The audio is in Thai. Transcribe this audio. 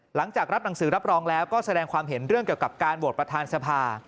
หลังจากรับหนังสือรับรองแล้วก็แสดงความเห็นเรื่องเกี่ยวกับการโหวตประธานสภา